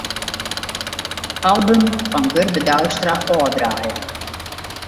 Album fan Gurbe Douwstra ôfdraaie.